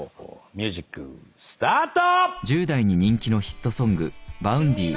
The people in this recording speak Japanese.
ミュージックスタート！